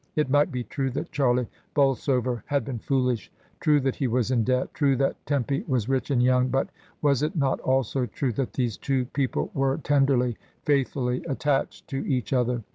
It might be true that Charlie Bolsover had been foolish, true that he was in debt, true that Tempy was rich and young, but was it not also true that these two people were tenderly, faithfully attached to each other?